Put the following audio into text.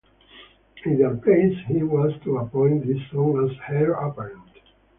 In their place, he was to appoint his son as heir-apparent.